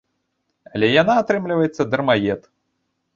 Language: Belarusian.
Але яна, атрымліваецца, дармаед.